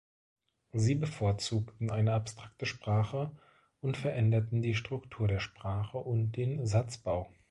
Sie bevorzugten eine abstrakte Sprache und veränderten die Struktur der Sprache und den Satzbau.